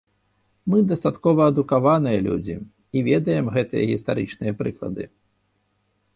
Мы дастаткова адукаваныя людзі і ведаем гэтыя гістарычныя прыклады.